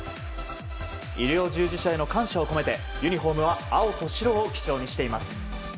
医療従事者への感謝を込めてユニホームは青と白を基調にしています。